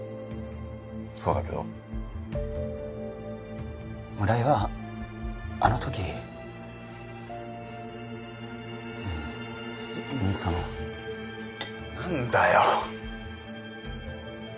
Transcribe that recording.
そうだけど村井はあの時その何だよ？